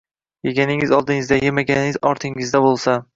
Eganingiz oldingizda, emaganingiz ortingizda bo`lsa